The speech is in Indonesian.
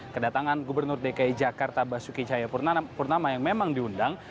kedatangan gubernur dki jakarta basuki cahayapurnama yang memang diundang